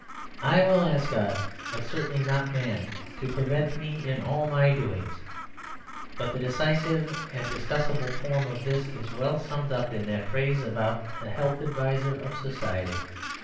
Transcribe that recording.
I will ask God, but certainly not man, to prevent me in all my doings. But the decisive and discussable form of this is well summed up in that phrase about the health adviser of society.